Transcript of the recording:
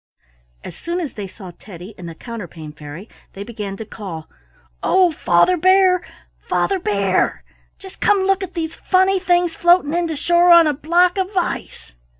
As soon as they saw Teddy and the Counterpane Fairy they began to call: "Oh, Father Bear! Father Bear! Just come look at these funny things floating in to shore on a block of ice."